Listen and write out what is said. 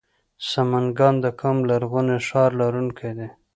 سمنګان د کوم لرغوني ښار لرونکی دی؟